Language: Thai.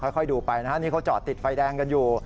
ค่อยดูไปนะฮะนี่เขาจอดติดไฟแดงกันอยู่